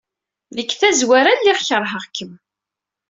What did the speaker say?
Deg tazwara, lliɣ keṛheɣ-kem.